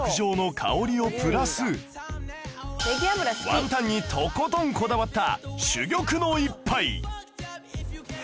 ワンタンにとことんこだわった珠玉の一杯